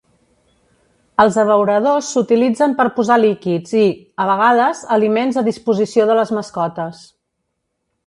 Els abeuradors s'utilitzen per posar líquids i, a vegades, aliments a disposició de les mascotes.